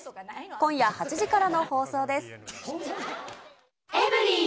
今夜８時からの放送です。